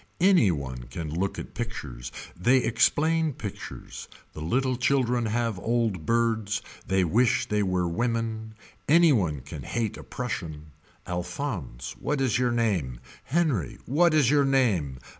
Any one can look at pictures. They explain pictures. The little children have old birds. They wish they were women. Any one can hate a Prussian. Alphonse what is your name. Henri what is your name.